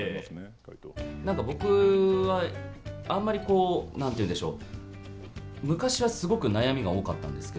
なんか僕は、あんまり、こう何ていうんでしょう。